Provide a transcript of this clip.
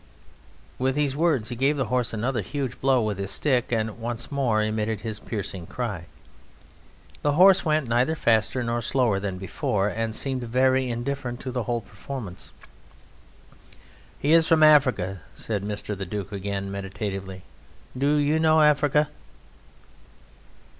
With these words he gave the horse another huge blow with his stick, and once more emitted his piercing cry. The horse went neither faster nor slower than before, and seemed very indifferent to the whole performance. "He is from Africa," said Mr. The Duke again, meditatively. "Do you know Africa?"